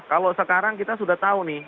kalau sekarang kita sudah tahu nih